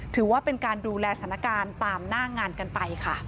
ถือว่าเป็นการดูแลสถานการณ์ตามหน้างานกันไปค่ะ